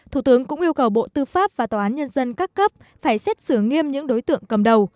thủ tướng cũng yêu cầu bộ tư pháp và tòa án nhân dân các cấp phải xét xử nghiêm những đối tượng cầm đầu